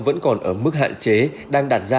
vẫn còn ở mức hạn chế đang đạt ra